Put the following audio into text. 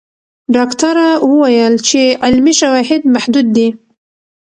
ډاکټره وویل چې علمي شواهد محدود دي.